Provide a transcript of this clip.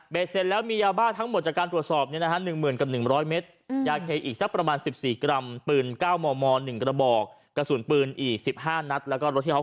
เบสเสร็จแล้วมียาบ้าทั้งหมดจากการตรวจสอบนี้นะฮะ